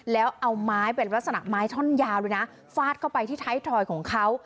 แล้วเอาไม้เป็นลักษณะไม้ท่อนยาวด้วยนะฟาดเข้าไปที่ท้ายถอยของเขา